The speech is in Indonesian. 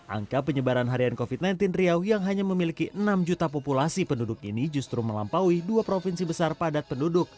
angka penyebaran harian covid sembilan belas riau yang hanya memiliki enam juta populasi penduduk ini justru melampaui dua provinsi besar padat penduduk